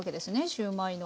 シューマイの。